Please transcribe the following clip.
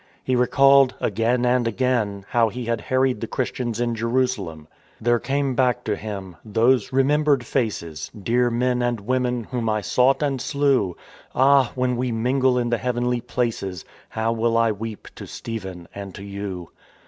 He recalled, again and again, how he had harried the Christians in Jerusalem. There came back to him those "... remembered faces, Dear men and women, whom I sought and slew ! Ah, when we mingle in the heavenly places, How will I weep to Stephen and to you!